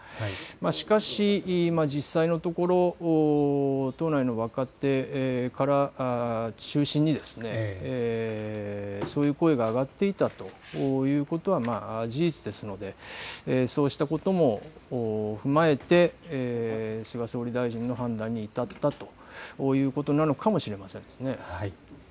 しかし、実際のところ党内の若手を中心にそういう声が上がっていたということは事実ですのでそうしたことも踏まえて菅総理大臣の判断に至ったということなのかもしれません。